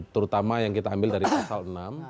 terutama yang kita ambil dari pasal enam